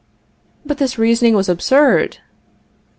But this reasoning was absurd!